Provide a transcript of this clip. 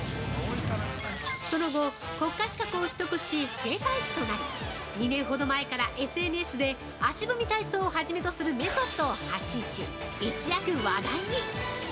その後、国家資格を取得し整体師となり２年ほど前から、ＳＮＳで足踏み体操を初めとするメソッドを発信し、一躍話題に！